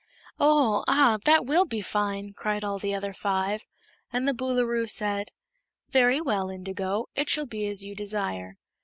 "Oh! Ah! That will be fine!" cried all the other five, and the Boolooroo said: "Very well, Indigo; it shall be as you desire."